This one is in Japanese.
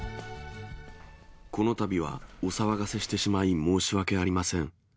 このたびはお騒がせしてしまい、申し訳ありません。